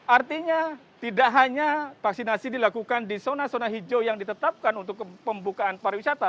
artinya tidak hanya vaksinasi dilakukan di zona zona hijau yang ditetapkan untuk pembukaan pariwisata